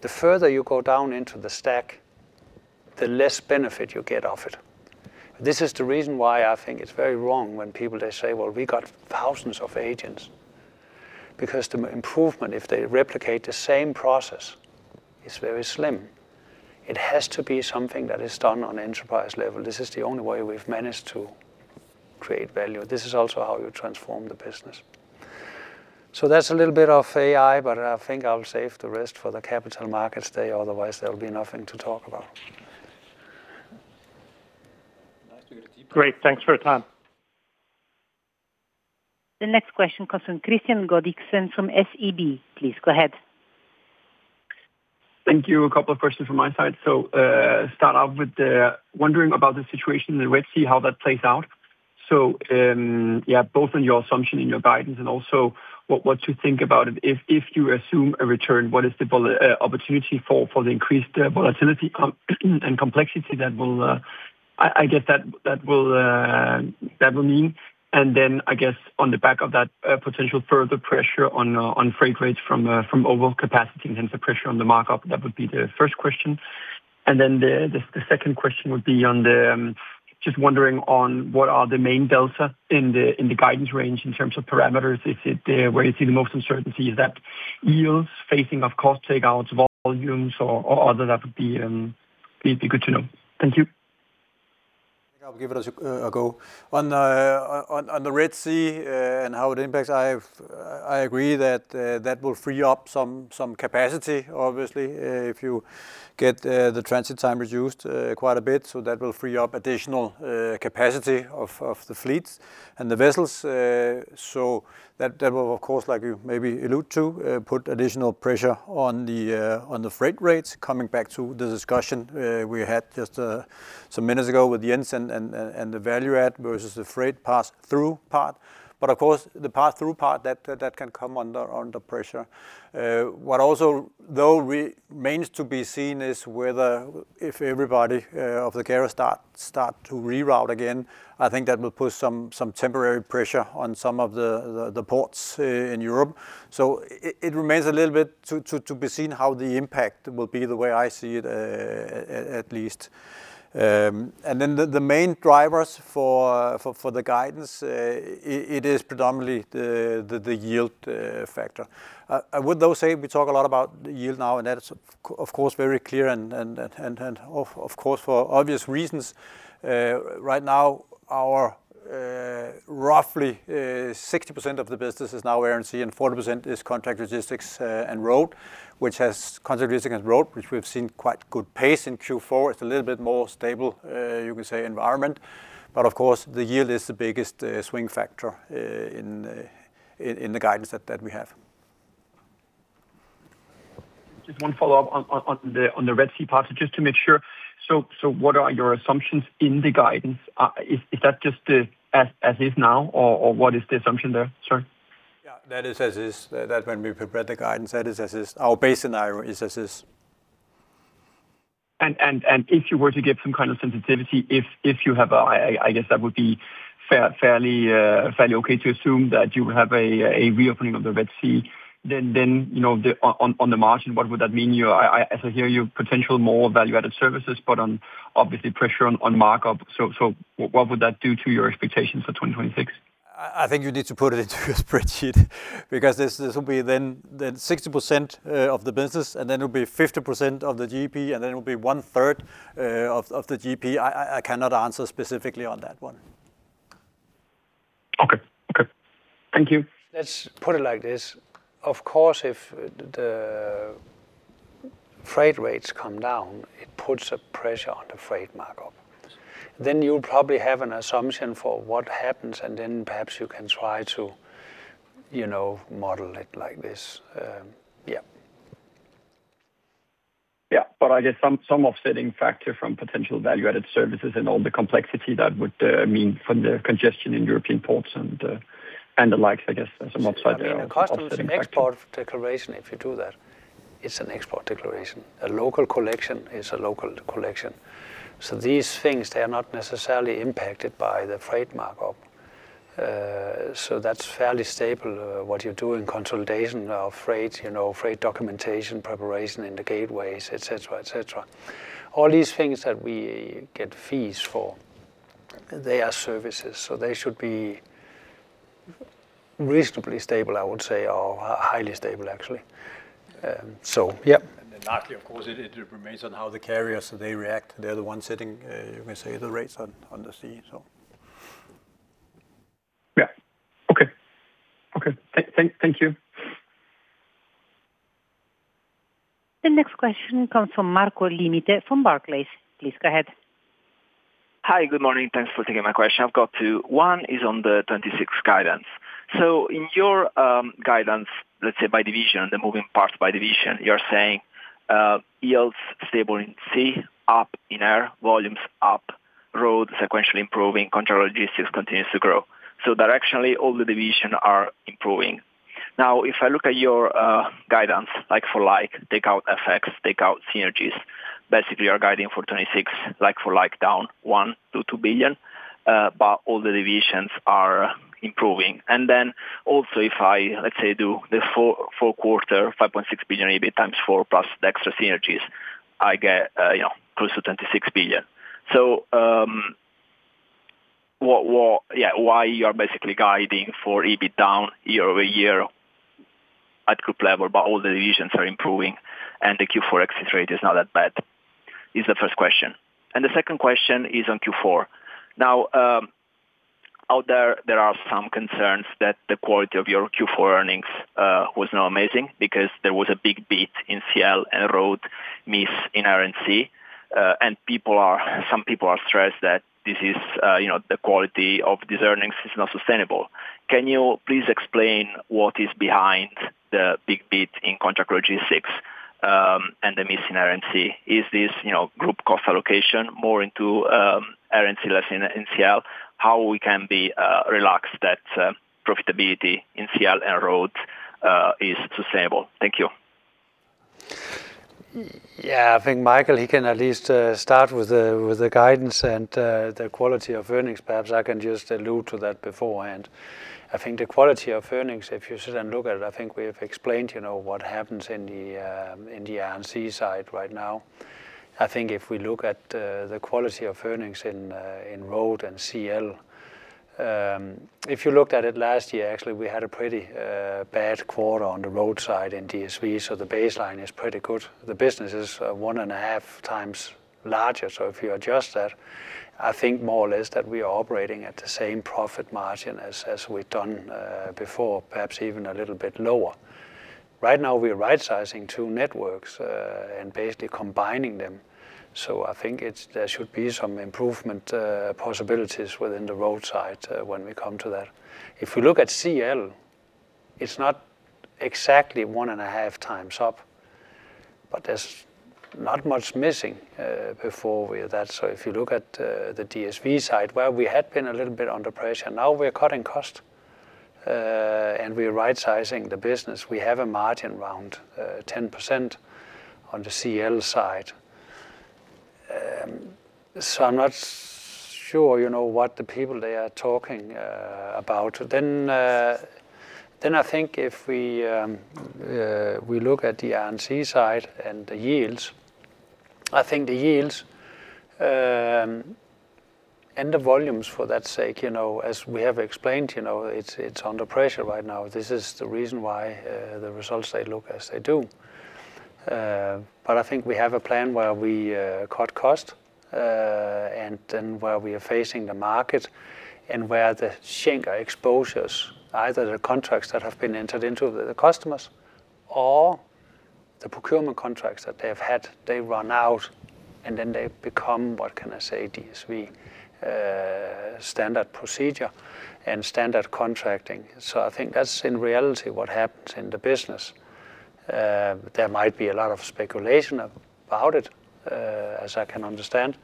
The further you go down into the stack, the less benefit you get off it. This is the reason why I think it's very wrong when people they say, "Well, we got thousands of agents." Because the improvement, if they replicate the same process, is very slim. It has to be something that is done on enterprise level. This is the only way we've managed to create value. This is also how you transform the business. So that's a little bit of AI, but I think I'll save the rest for the capital markets day, otherwise, there will be nothing to talk about. Great, thanks for your time. The next question comes from Kristian Godiksen from SEB. Please, go ahead. Thank you. A couple of questions from my side. So, start off with the wondering about the situation in the Red Sea, how that plays out. So, yeah, both on your assumption and your guidance, and also what you think about it. If you assume a return, what is the opportunity for the increased volatility and complexity that will mean? And then I guess on the back of that, potential further pressure on freight rates from overall capacity and hence the pressure on the markup. That would be the first question. And then the second question would be, just wondering what are the main delta in the guidance range in terms of parameters? Is it where you see the most uncertainty, is that yields facing, of course, takeouts, volumes or other that would be good to know? Thank you. I'll give it a go. On the Red Sea and how it impacts, I agree that that will free up some capacity, obviously, if you get the transit time reduced quite a bit, so that will free up additional capacity of the fleet and the vessels. So that will, of course, like you maybe allude to, put additional pressure on the freight rates, coming back to the discussion we had just some minutes ago with Jens and the value add versus the freight pass-through part. But of course, the pass-through part, that can come under pressure. What also, though, remains to be seen is whether if everybody of the carriers start to reroute again, I think that will put some temporary pressure on some of the ports in Europe. So it remains a little bit to be seen how the impact will be, the way I see it, at least. And then the main drivers for the guidance, it is predominantly the yield factor. I would, though, say we talk a lot about the yield now, and that is of course very clear and of course, for obvious reasons, right now, our roughly 60% of the business is now air and sea, and 40% is contract logistics and road, which has contract logistics and road, which we've seen quite good pace in Q4. It's a little bit more stable, you can say, environment, but of course, the yield is the biggest swing factor in the guidance that we have. Just one follow-up on the Red Sea part, just to make sure. So what are your assumptions in the guidance? Is that just as is now, or what is the assumption there, sir? Yeah, that is as is. That, when we prepared the guidance, that is as is. Our base scenario is as is. And if you were to give some kind of sensitivity, if you have a I guess that would be fairly okay to assume that you have a reopening of the Red Sea, then, you know, on the margin, what would that mean? You are, as I hear you, potential more value-added services, but obviously pressure on markup. So what would that do to your expectations for 2026? I think you need to put it into a spreadsheet because this will be then 60% of the business, and then it'll be 50% of the GP, and then it'll be 1/3 of the GP. I cannot answer specifically on that one. Okay. Okay, thank you. Let's put it like this: Of course, if the freight rates come down, it puts a pressure on the freight markup. Then you probably have an assumption for what happens, and then perhaps you can try to, you know, model it like this. Yeah. Yeah, but I get some offsetting factor from potential value-added services and all the complexity that would mean from the congestion in European ports and the like, I guess, some offsetting factor. A custom is an export declaration if you do that. It's an export declaration. A local collection is a local collection. So these things, they are not necessarily impacted by the freight markup. So that's fairly stable, what you do in consolidation of freight, you know, freight documentation, preparation in the gateways, et cetera, et cetera. All these things that we get fees for, they are services, so they should be reasonably stable, I would say, or highly stable, actually. So yeah. And then lastly, of course, it remains on how the carriers, they react. They're the ones setting, you may say, the rates on the sea, so. Yeah. Okay. Okay, thank you. The next question comes from Marco Limite, from Barclays. Please go ahead. Hi, good morning. Thanks for taking my question. I've got two. One is on the 2026 guidance. So in your guidance, let's say by division, the moving parts by division, you're saying yields stable in sea, up in air, volumes up, road sequentially improving, contract logistics continues to grow. So directionally, all the divisions are improving. Now, if I look at your guidance, like for like, take out effects, take out synergies, basically you're guiding for 2026, like for like down 1 billion-2 billion but all the divisions are improving. And then also if I, let's say, do the fourth quarter, 5.6 billion EBIT times 4 plus the extra synergies, I get, you know, close to 26 billion. So, what, what. Yeah, why you are basically guiding for EBIT down year-over-year at group level, but all the divisions are improving and the Q4 exit rate is not that bad, is the first question. And the second question is on Q4. Now, out there, there are some concerns that the quality of your Q4 earnings was not amazing because there was a big beat in CL and Road, miss in Air & Sea. And some people are stressed that this is, you know, the quality of these earnings is not sustainable. Can you please explain what is behind the big beat in Contract Logistics and the missing Air & Sea? Is this, you know, group cost allocation more into Air & Sea, less in CL? How we can be relaxed that profitability in CL and Road is sustainable? Thank you. Yeah, I think Michael, he can at least start with the guidance and the quality of earnings. Perhaps I can just allude to that beforehand. I think the quality of earnings, if you sit and look at it, I think we have explained, you know, what happens in the Air & Sea side right now. I think if we look at the quality of earnings in Road and CL, if you looked at it last year, actually, we had a pretty bad quarter on the road side in DSV, so the baseline is pretty good. The business is one and a half times larger. So if you adjust that, I think more or less that we are operating at the same profit margin as we've done before, perhaps even a little bit lower. Right now, we're rightsizing two networks, and basically combining them. So I think it's there should be some improvement possibilities within the road side, when we come to that. If we look at CL, it's not exactly 1.5 times up, but there's not much missing before we. That's so if you look at the DSV side, where we had been a little bit under pressure, now we're cutting cost, and we're rightsizing the business. We have a margin around 10% on the CL side. So I'm not sure, you know, what the people they are talking about. Then, then I think if we, we look at the Air & Sea side and the yields, I think the yields, and the volumes for that sake, you know, as we have explained, you know, it's under pressure right now. This is the reason why, the results they look as they do. But I think we have a plan where we, cut cost, and then where we are facing the market, and where the Schenker exposures, either the contracts that have been entered into the customers or the procurement contracts that they have had, they run out, and then they become, what can I say, DSV, standard procedure and standard contracting. So I think that's in reality what happens in the business. There might be a lot of speculation about it, as I can understand,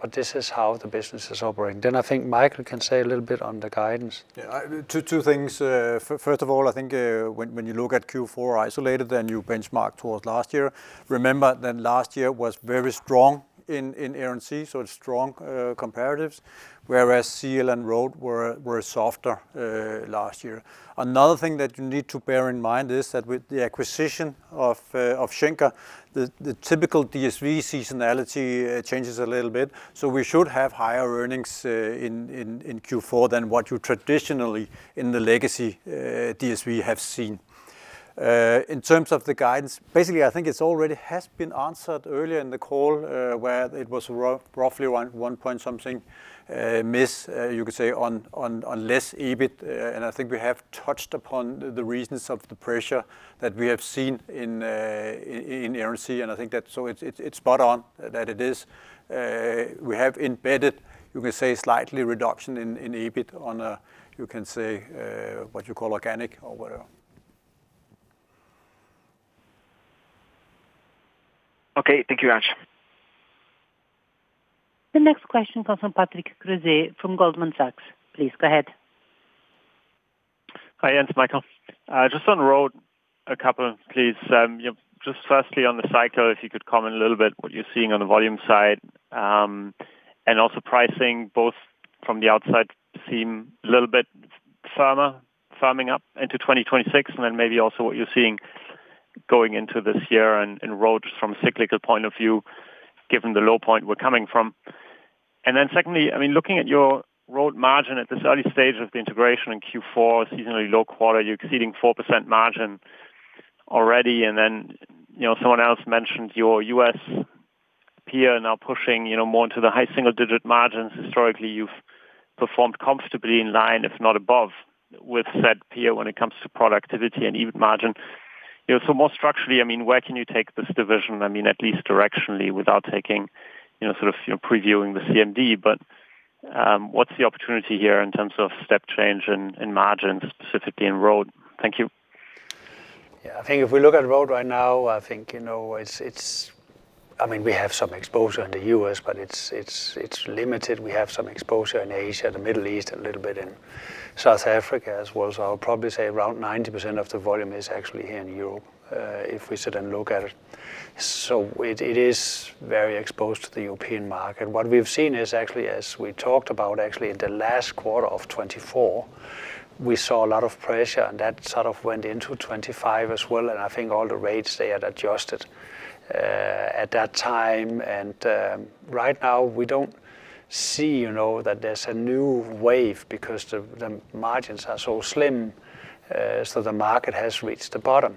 but this is how the business is operating. I think Michael can say a little bit on the guidance. Yeah, two things. First of all, I think when you look at Q4 isolated, then you benchmark towards last year. Remember that last year was very strong in Air & Sea, so it's strong comparatives, whereas CL and Road were softer last year. Another thing that you need to bear in mind is that with the acquisition of Schenker, the typical DSV seasonality changes a little bit. So we should have higher earnings in Q4 than what you traditionally, in the legacy DSV, have seen. In terms of the guidance, basically, I think it's already has been answered earlier in the call, where it was roughly one point something miss, you could say, on less EBIT. And I think we have touched upon the reasons of the pressure that we have seen in Air & Sea. And I think that. So it's spot on, that it is. We have embedded, you could say, slightly reduction in EBIT on a, you can say, what you call organic or whatever. Okay. Thank you, Jens. The next question comes from Patrick Creuset from Goldman Sachs. Please, go ahead. Hi, Jens and Michael. Just on Road, a couple of things. Just firstly, on the cycle, if you could comment a little bit what you're seeing on the volume side, and also pricing, both from the outside, seem a little bit firmer, firming up into 2026, and then maybe also what you're seeing going into this year in Road from a cyclical point of view, given the low point we're coming from. And then secondly, I mean, looking at your Road margin at this early stage of the integration in Q4, seasonally low quarter, you're exceeding 4% margin already. And then, you know, someone else mentioned your US peer now pushing, you know, more into the high single-digit margins. Historically, you've performed comfortably in line, if not above, with said peer when it comes to productivity and EBIT margin. You know, so more structurally, I mean, where can you take this division? I mean, at least directionally, without taking, you know, sort of, you know, previewing the CMD. But, what's the opportunity here in terms of step change in margins, specifically in Road? Thank you. Yeah, I think if we look at Road right now, I think, you know, it's. I mean, we have some exposure in the U.S., but it's limited. We have some exposure in Asia, the Middle East, a little bit in South Africa as well. So I'll probably say around 90% of the volume is actually here in Europe, if we sit and look at it. So it is very exposed to the European market. What we've seen is actually, as we talked about, actually, in the last quarter of 2024, we saw a lot of pressure, and that sort of went into 2025 as well, and I think all the rates they had adjusted at that time. And right now we don't see, you know, that there's a new wave because the margins are so slim, so the market has reached the bottom.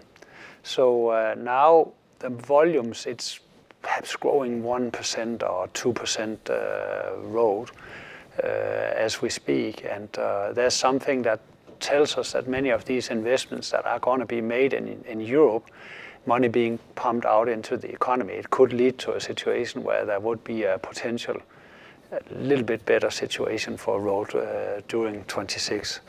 So now the volumes, it's perhaps growing 1% or 2%, road, as we speak. And there's something that tells us that many of these investments that are gonna be made in Europe, money being pumped out into the economy, it could lead to a situation where there would be a potential, a little bit better situation for road during 2026.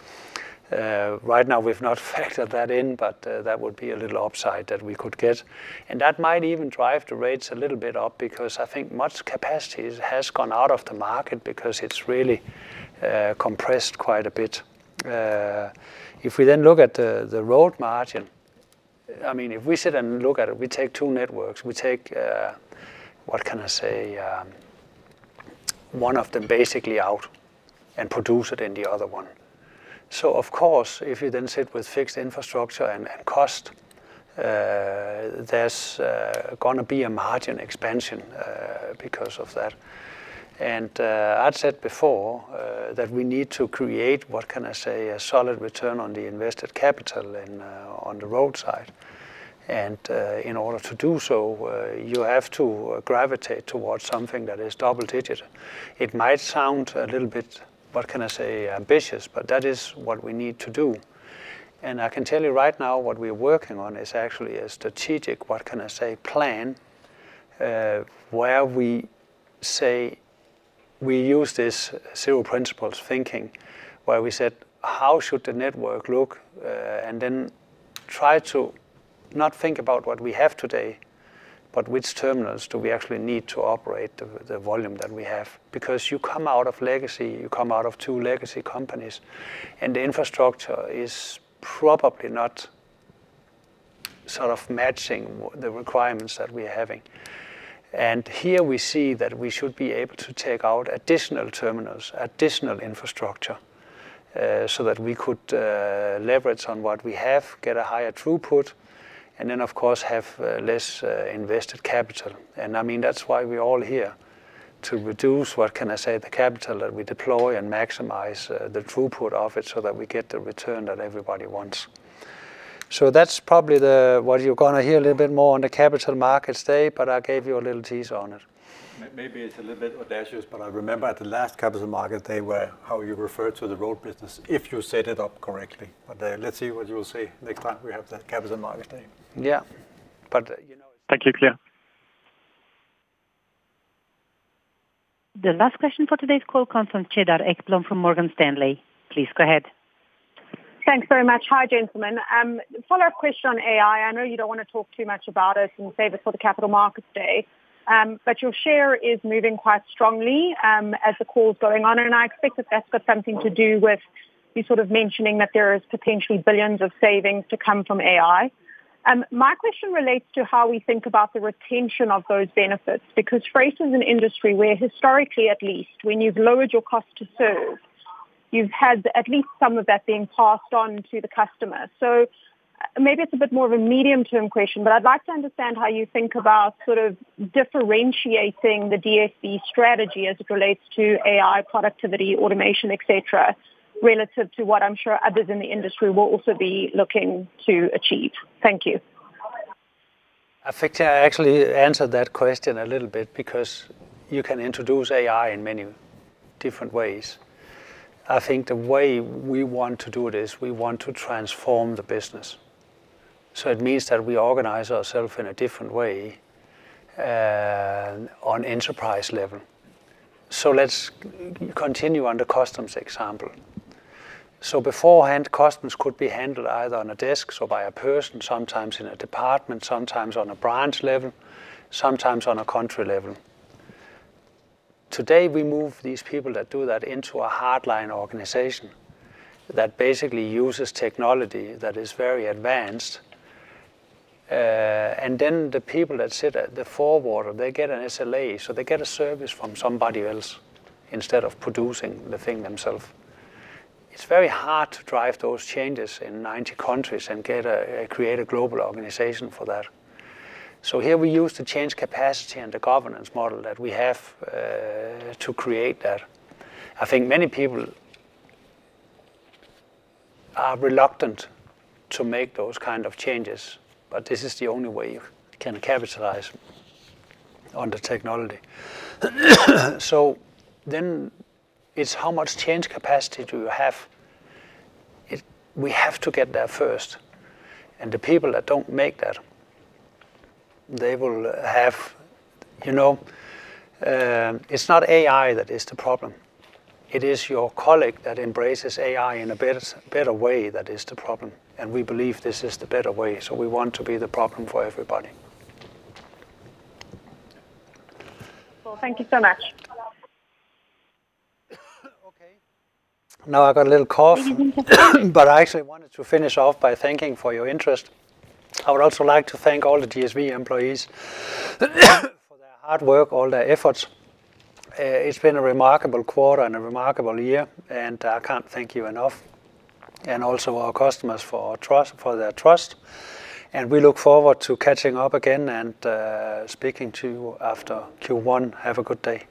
Right now, we've not factored that in, but that would be a little upside that we could get. And that might even drive the rates a little bit up, because I think much capacity has gone out of the market because it's really compressed quite a bit. If we then look at the road margin, I mean, if we sit and look at it, we take two networks. We take, what can I say? One of them basically out and produce it in the other one. So of course, if you then sit with fixed infrastructure and cost, there's gonna be a margin expansion because of that. And I've said before that we need to create, what can I say, a solid return on the invested capital in on the roadside. And in order to do so, you have to gravitate towards something that is double digit. It might sound a little bit, what can I say, ambitious, but that is what we need to do. I can tell you right now, what we're working on is actually a strategic, what can I say, plan, where we say we use this zero principles thinking, where we said: How should the network look? And then try to not think about what we have today, but which terminals do we actually need to operate the volume that we have? Because you come out of legacy, you come out of two legacy companies, and the infrastructure is probably not sort of matching with the requirements that we're having. And here we see that we should be able to take out additional terminals, additional infrastructure, so that we could leverage on what we have, get a higher throughput, and then, of course, have less invested capital. I mean, that's why we're all here, to reduce, what can I say, the capital that we deploy and maximize the throughput of it, so that we get the return that everybody wants. So that's probably what you're gonna hear a little bit more on the Capital Markets Day, but I gave you a little tease on it. Maybe it's a little bit audacious, but I remember at the last Capital Market Day, where, how you referred to the road business, if you set it up correctly. But, let's see what you will say next time we have that Capital Market Day. Yeah. But, you know Thank you, clear. The last question for today's call comes from Cedar Ekblom, from Morgan Stanley. Please go ahead. Thanks very much. Hi, gentlemen. Follow-up question on AI. I know you don't wanna talk too much about it and save it for the Capital Markets Day. But your share is moving quite strongly, as the call's going on, and I expect that that's got something to do with you sort of mentioning that there is potentially billions of savings to come from AI. My question relates to how we think about the retention of those benefits, because freight is an industry where historically At least, when you've lowered your cost to serve, you've had at least some of that being passed on to the customer. Maybe it's a bit more of a medium-term question, but I'd like to understand how you think about sort of differentiating the DSV strategy as it relates to AI, productivity, automation, et cetera, relative to what I'm sure others in the industry will also be looking to achieve. Thank you. I think I actually answered that question a little bit, because you can introduce AI in many different ways. I think the way we want to do it is, we want to transform the business. So it means that we organize ourselves in a different way on enterprise level. So let's continue on the customs example. So beforehand, customs could be handled either on a desk or by a person, sometimes in a department, sometimes on a branch level, sometimes on a country level. Today, we move these people that do that into a hardline organization that basically uses technology that is very advanced. And then the people that sit at the forefront, they get an SLA, so they get a service from somebody else instead of producing the thing themselves. It's very hard to drive those changes in 90 countries and get a create a global organization for that. So here we use the change capacity and the governance model that we have to create that. I think many people are reluctant to make those kind of changes, but this is the only way you can capitalize on the technology. So then, it's how much change capacity do you have? We have to get there first, and the people that don't make that, they will have you know, it's not AI that is the problem, it is your colleague that embraces AI in a better way that is the problem, and we believe this is the better way, so we want to be the problem for everybody. Well, thank you so much. Okay. Now, I've got a little cough. But I actually wanted to finish off by thanking for your interest. I would also like to thank all the DSV employees, for their hard work, all their efforts. It's been a remarkable quarter and a remarkable year, and I can't thank you enough, and also our customers for our trust for their trust. And we look forward to catching up again and speaking to you after Q1. Have a good day.